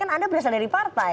anda berasal dari partai